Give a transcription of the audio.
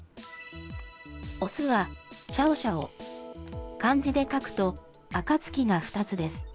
雄はシャオシャオ、漢字で書くと、暁が２つです。